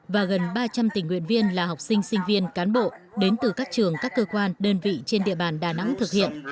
và gần ba trăm linh tình nguyện viên là học sinh sinh viên cán bộ đến từ các trường các cơ quan đơn vị trên địa bàn đà nẵng thực hiện